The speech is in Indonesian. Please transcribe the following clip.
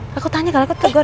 waktunya jalan aja